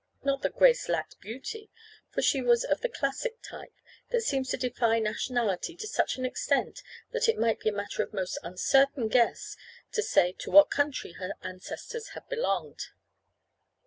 Not that Grace lacked beauty, for she was of the classic type that seems to defy nationality to such an extent, that it might be a matter of most uncertain guess to say to what country her ancestors had belonged.